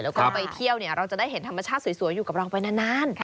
แล้วก็ไปเที่ยวเราจะได้เห็นธรรมชาติสวยอยู่กับเราไปนาน